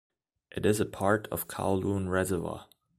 It is a part of Kowloon Reservoir.